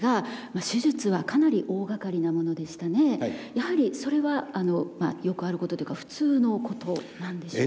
やはりそれはよくあることというか普通のことなんでしょうか？